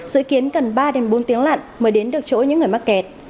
dự kiến cần ba bốn tiếng lặn mới đến được chỗ những người mắc kẹt